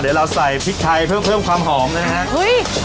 เดี๋ยวเราใส่พริกไทยเพิ่มความหอมนะฮะ